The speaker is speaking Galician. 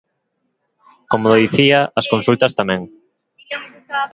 Como dicía, as consultas tamén.